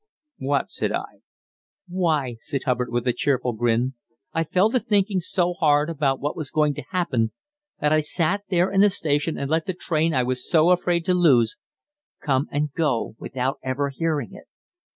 "What?" said I. "Why," said Hubbard, with a cheerful grin, "I fell to thinking so hard about what was going to happen that I sat there in the station and let the train I was so afraid to lose come and go without ever hearing it."